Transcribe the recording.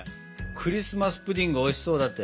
クリスマス・プディングおいしそうだったよね。